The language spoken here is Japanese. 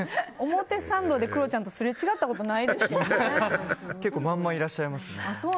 表参道でクロちゃんとすれ違ったこと結構、いらっしゃいますね。